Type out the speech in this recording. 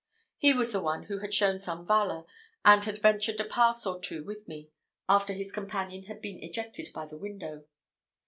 He was the one who had shown some valour, and had ventured a pass or two with me, after his companion had been ejected by the window.